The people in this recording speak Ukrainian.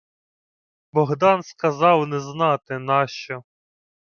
Богдан сказав не знати нащо: